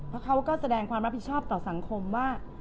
เพราะเขาก็แสดงความรับผิดชอบต่อสังคมว่า